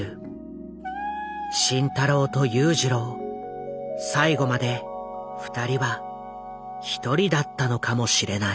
慎太郎と裕次郎最期までふたりは一人だったのかもしれない。